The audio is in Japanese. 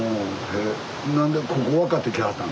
何でここ分かって来はったの？